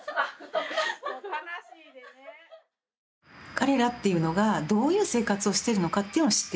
彼らっていうのがどういう生活をしてるのかっていうのを知って頂きたい。